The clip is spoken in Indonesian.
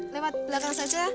lewat belakang saja